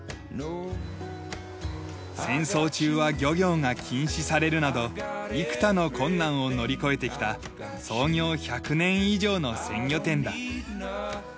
戦争中は漁業が禁止されるなど幾多の困難を乗り越えてきた創業１００年以上の鮮魚店だ。